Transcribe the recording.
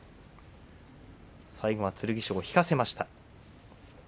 最後は剣翔、引かせました。